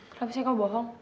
kenapa sih kamu bohong